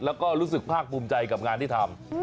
แล้วก็รู้สึกภาคภูมิใจกับงานที่ทำ